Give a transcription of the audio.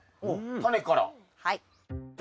はい。